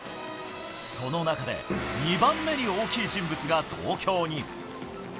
その中で２番目に大きい人物が東京に。